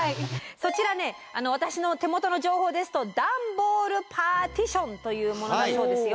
そちらね私の手元の情報ですと段ボールパーティションというものだそうですよ。